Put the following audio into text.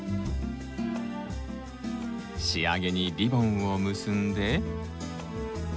仕上げにリボンを結んで。